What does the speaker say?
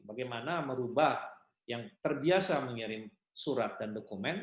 bagaimana merubah yang terbiasa mengirim surat dan dokumen